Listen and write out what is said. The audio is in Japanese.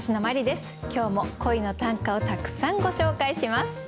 今日も恋の短歌をたくさんご紹介します。